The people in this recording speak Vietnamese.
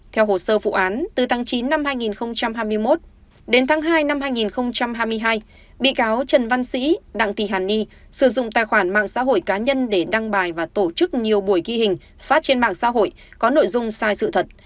theo hồ sơ vụ án từ tháng chín năm hai nghìn hai mươi một đến tháng hai năm hai nghìn hai mươi hai bị cáo trần văn sĩ đặng thị hàn ni sử dụng tài khoản mạng xã hội cá nhân để đăng bài và tổ chức nhiều buổi ghi hình phát trên mạng xã hội có nội dung sai sự thật